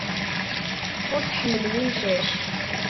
Ur tḥemmlem imcac.